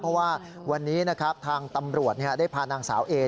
เพราะว่าวันนี้นะครับทางตำรวจได้พานางสาวเอ